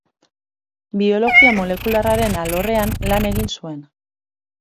Biologia molekularraren alorrean lan egin zuen.